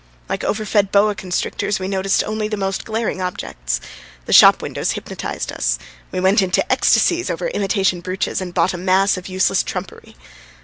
Like overfed boa constrictors, we noticed only the most glaring objects. The shop windows hypnotised us; we went into ecstasies over imitation brooches and bought a mass of useless trumpery.